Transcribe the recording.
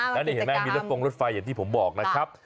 แล้วนี่เห็นไหมมีรถฟงรถไฟอย่างที่ผมบอกนะครับ